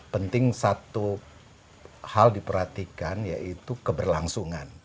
penting satu hal diperhatikan yaitu keberlangsungan